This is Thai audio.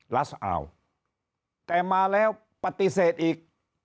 ัสอาวแต่มาแล้วปฏิเสธอีก